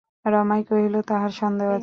রমাই কহিল, তাহার সন্দেহ আছে!